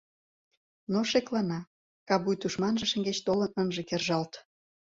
Но шеклана — кабуй тушманже шеҥгеч толын ынже кержалт.